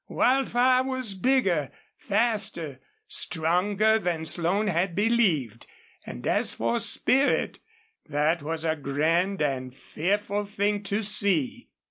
Wildfire was bigger, faster, stronger than Slone had believed, and as for spirit, that was a grand and fearful thing to see.